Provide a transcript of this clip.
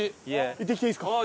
行ってきていいですか？